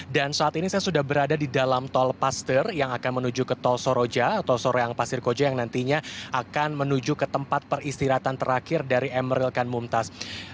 dan saat ini saya sudah berada di dalam tol pastir yang akan menuju ke tol soroja atau sorojang pasir koja yang nantinya akan menuju ke tempat peristirahatan terakhir dari emirhan mumtaz